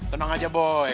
tenang aja boy